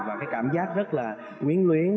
và cái cảm giác rất là nguyên luyến